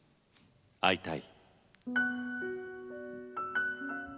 「会いたい」。